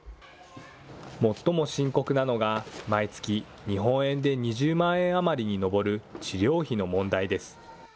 最も深刻なのが、毎月日本円で２０万円余りに上る治療費の問題です。